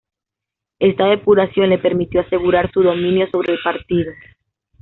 Esta depuración le permitió asegurar su dominio sobre el partido.